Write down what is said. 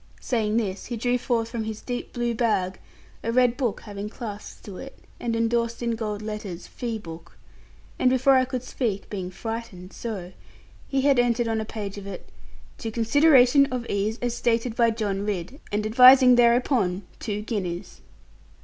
Saying this, he drew forth from his deep, blue bag, a red book having clasps to it, and endorsed in gold letters 'Fee book'; and before I could speak (being frightened so) he had entered on a page of it, 'To consideration of ease as stated by John Ridd, and advising thereupon, two guineas.'